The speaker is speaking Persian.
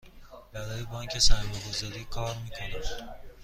برای بانک سرمایه گذاری کار می کنم.